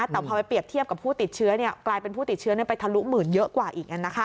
แต่พอไปเปรียบเทียบกับผู้ติดเชื้อกลายเป็นผู้ติดเชื้อไปทะลุหมื่นเยอะกว่าอีก